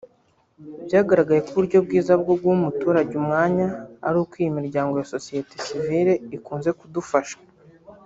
Byagaragaye ko uburyo bwiza bwo guha umuturage umwanya ari uko iyi miryango ya Sosiyete Sivile ikunze kudufasha